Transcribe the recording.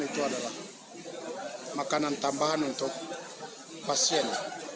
itu adalah makanan tambahan untuk pasien